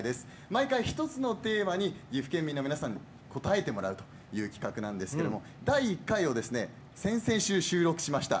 毎回１つのテーマに岐阜県民の皆さん答えてもらうという企画なんですけれども第１回を先々週収録しました。